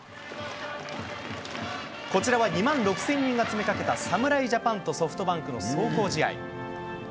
こちらは２万６０００人が詰めかけた侍ジャパンとソフトバンクの壮行試合。